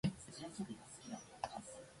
咳がとまらない